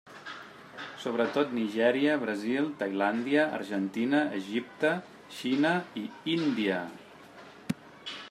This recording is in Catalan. Sobretot Nigèria, Brasil, Tailàndia, Argentina, Egipte, Xina i Índia.